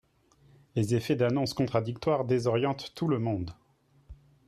Les effets d’annonces contradictoires désorientent tout le monde.